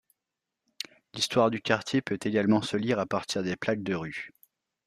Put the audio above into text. L'histoire du quartier peut également se lire à partir des plaques de rues.